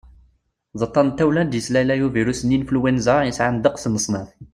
d aṭṭan n tawla i d-yeslalay ubirus n anflwanza influenza yesɛan ddeqs n leṣnaf